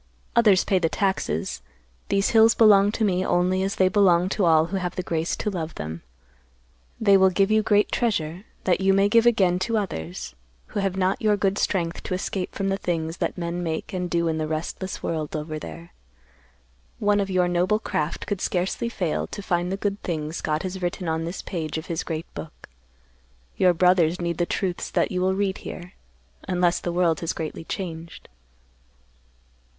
"Others pay the taxes; these hills belong to me only as they belong to all who have the grace to love them. They will give you great treasure, that you may give again to others, who have not your good strength to escape from the things that men make and do in the restless world over there. One of your noble craft could scarcely fail to find the good things God has written on this page of His great book. Your brothers need the truths that you will read here; unless the world has greatly changed."